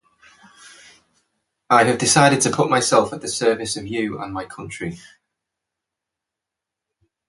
I have decided to put myself at the service of you and my country.